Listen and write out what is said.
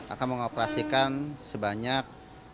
akan mengoperasikan sebanyak